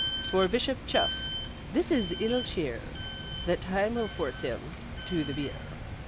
For Bishop Chuff This is ill cheer: That Time will force him To the bier.